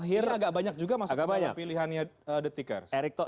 ini agak banyak juga masuk ke pilihannya the tickers